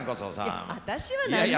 いや私は何にも。